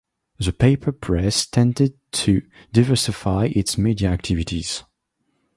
The paper press tended to diversify its media activities.